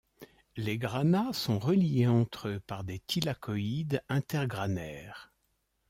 Les grana sont reliés entre eux par des thylakoïdes intergranaires.